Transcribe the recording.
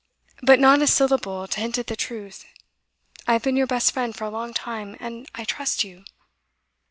But not a syllable to hint at the truth. I have been your best friend for a long time, and I trust you.